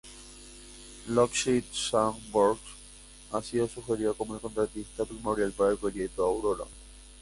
Lockheed Skunk Works ha sido sugerido como el contratista primordial para el Proyecto Aurora.